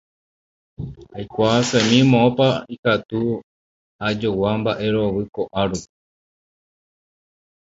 Aikuaasemi moõpa ikatu ajogua mba'erovy ko'árupi.